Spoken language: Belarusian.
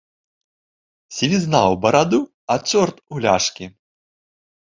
Сівізна ў бараду, а чорт у ляшкі!